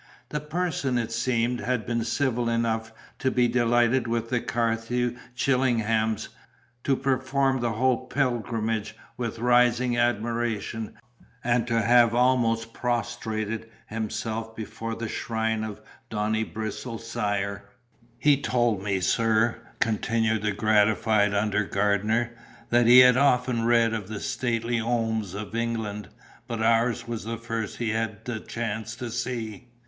The person, it seems, had been civil enough to be delighted with the Carthew Chillinghams, to perform the whole pilgrimage with rising admiration, and to have almost prostrated himself before the shrine of Donibristle's sire. "He told me, sir," continued the gratified under gardener, "that he had often read of the 'stately 'omes of England,' but ours was the first he had the chance to see.